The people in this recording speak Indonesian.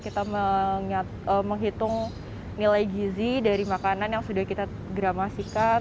kita menghitung nilai gizi dari makanan yang sudah kita gramasikan